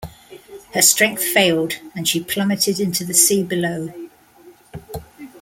Her strength failed, and she plummeted into the sea below.